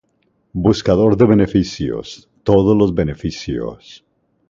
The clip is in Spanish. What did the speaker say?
Buscador de beneficios: todos los beneficios